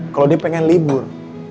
kalau dia pengen libur